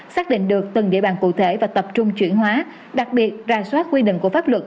xác định được từng địa bàn cụ thể và tập trung chuyển hóa đặc biệt rà soát quy định của pháp luật